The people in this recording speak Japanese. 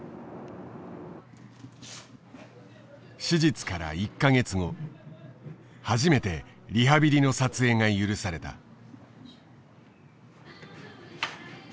手術から１か月後初めてリハビリの撮影が許された。